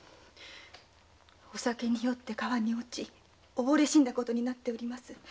酔って川に落ち溺れて死んだことになっております。